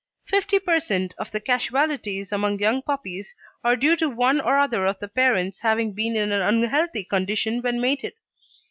Fifty per cent. of the casualties among young puppies are due to one or other of the parents having been in an unhealthy condition when mated.